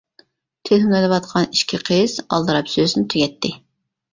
تېلېفون ئېلىۋاتقان ئىككى قىز ئالدىراپ سۆزىنى تۈگەتتى.